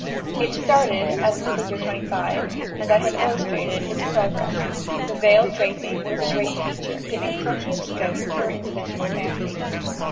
It started as in Fig. 25, and I have illustrated its progress; the veil draping was a great feature, giving plenty of scope for individual fancy.